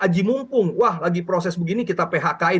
ajimumpung wah lagi proses begini kita phk in